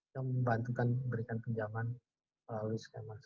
yang membantukan memberikan pinjaman melalui skema